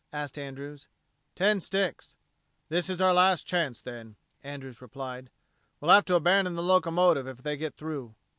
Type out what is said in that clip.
asked Andrews. "Ten sticks." "This is our last chance, then," Andrews replied. "We'll have to abandon the locomotive if they get through."